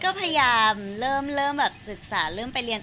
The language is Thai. ก็พยายามเริ่มแบบศึกษาเริ่มไปเรียน